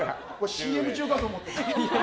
ＣＭ中かと思ってた。